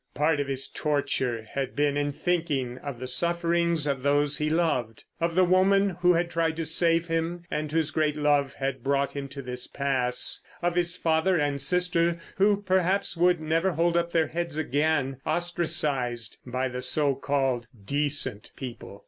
Part of his torture had been in thinking of the sufferings of those he loved. Of the woman who had tried to save him, and whose great love had brought him to this pass; of his father and sister, who, perhaps, would never hold up their heads again, ostracised by the so called decent people.